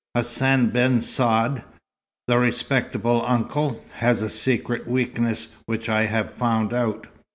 Hassan ben Saad, the respectable uncle, has a secret weakness which I have found out.